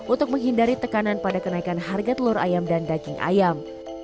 untuk menghindari tekanan pada kenaikan harga telur ayam dan daging ayam